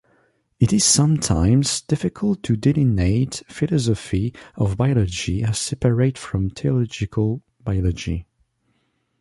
It is sometimes difficult to delineate philosophy of biology as separate from theoretical biology.